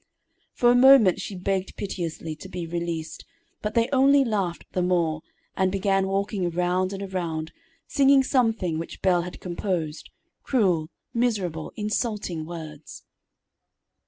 For a moment she begged piteously to be released, but they only laughed the more, and began walking around and around, singing something which Belle had composed, cruel, miserable, insulting words.